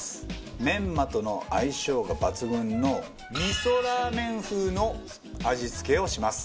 メンマとの相性が抜群の味噌ラーメン風の味付けをします。